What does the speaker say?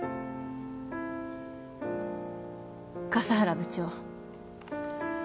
笠原部長